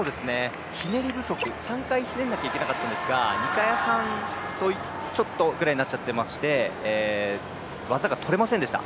ひねり不足、３回ひねらなきゃいけなかったんですが２回半ちょっとぐらいになってまして技がとれませんでした。